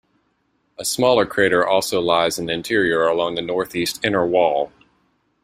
A smaller crater also lies in the interior along the northeast inner wall.